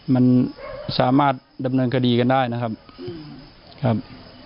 มันสามารถดำเนินคดีกันได้นะครับครับ